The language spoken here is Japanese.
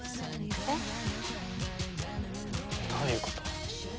えっ？どういうこと？